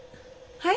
はい。